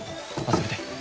忘れて。